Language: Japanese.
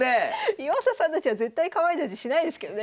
岩佐さんたちは絶対かまいたちしないですけどね